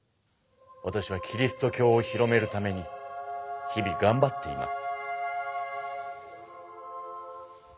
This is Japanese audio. わたしはキリスト教を広めるために日々がんばっています。